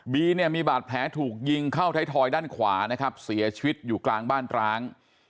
เนี่ยมีบาดแผลถูกยิงเข้าไทยทอยด้านขวานะครับเสียชีวิตอยู่กลางบ้านร้าง